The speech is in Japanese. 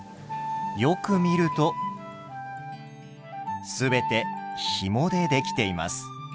よく見ると全てひもで出来ています。